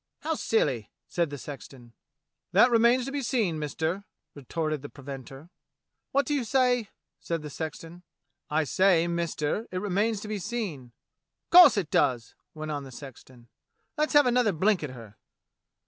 "How silly!" said the sexton. "That remains to be seen. Mister," retorted the preventer. "What do you say.^^" said the sexton. THE COMING OF THE KING'S FRIGATE 13 I say, Mister, it remains to be seen." "'Course it does!" went on the sexton. "Let's have another blink at her.